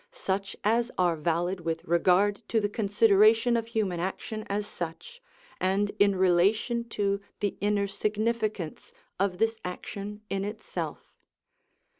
_, such as are valid with regard to the consideration of human action as such, and in relation to the inner significance of this action in itself.